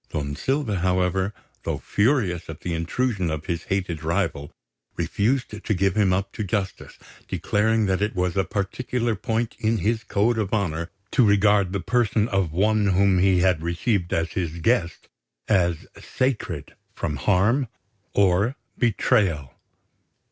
Don Silva, however, though furious at the intrusion of his hated rival, refused to give him up to justice, declaring that it was a particular point in his code of honour to regard the person of one whom he had received as his guest as sacred from harm or betrayal.